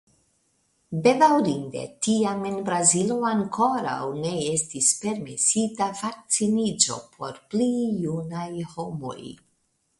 Bedaŭrinde tiam en Brazilo ankoraŭ ne estis permesita vakciniĝo por pli junaj homoj.